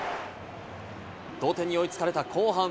同点に追いつかれた後半。